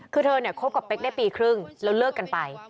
คือเธอเนี่ยคบกับเป๊กได้ปีครึ่งแล้วเลิกกันไป